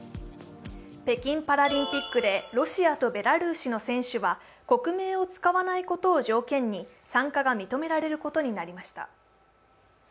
北京パラリンピックでロシアとベラルーシの選手は国名を使わないことを条件に参加が認められることになりました。